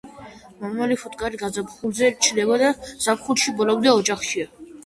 მამალი ფუტკარი გაზაფხულზე ჩნდება და ზაფხულის ბოლომდე ოჯახშია.